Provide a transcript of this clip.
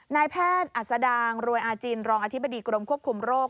นายแพทย์อัศดางรวยอาจินรองอธิบดีกรมควบคุมโรค